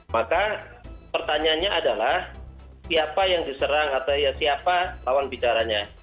maka pertanyaannya adalah siapa yang diserang atau siapa lawan bicaranya